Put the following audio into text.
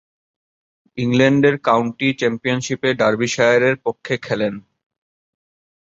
ইংল্যান্ডের কাউন্টি চ্যাম্পিয়নশীপে ডার্বিশায়ারের পক্ষে খেলেন।